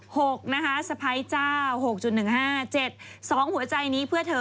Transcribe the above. หกนะคะสะพ้ายเจ้าหกจุดหนึ่งห้าเจ็ดสองหัวใจนี้เพื่อเธอ